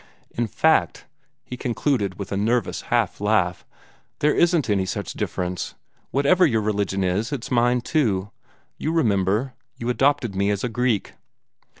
In fact," he concluded with a nervous half laugh, "there isn't any such difference. Whatever your religion is, it's mine too. You remember you adopted me as a Greek."